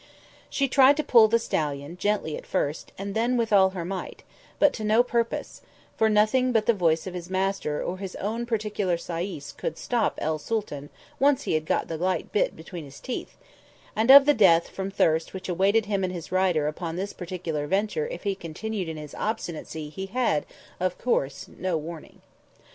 She tried to pull the stallion, gently at first, and then with all her might, but to no purpose; for nothing but the voice of his master or his own particular sayis could stop el Sooltan once he had got the light bit between his teeth; and of the death from thirst which awaited him and his rider upon this particular venture if he continued in his obstinacy he had, of course, no warning.